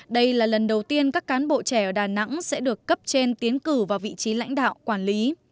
đây là lần đầu tiên các cán bộ trẻ ở đà nẵng sẽ được cấp trên tiến cử vào vị trí lãnh đạo quản lý